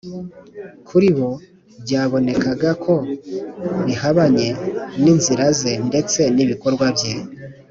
kuri bo byabonekaga ko bihabanye n’inzira ze ndetse n’ibikorwa bye